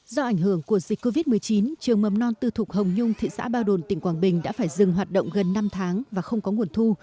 do ảnh hưởng của dịch covid một mươi chín trường mầm non tư thục hồng nhung thị xã ba đồn tỉnh quảng bình đã phải dừng hoạt động gần năm tháng và không có nguồn thu